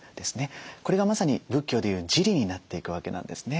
これがまさに仏教で言う自利になっていくわけなんですね。